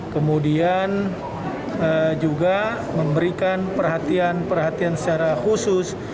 kemudian juga memberikan perhatian perhatian secara khusus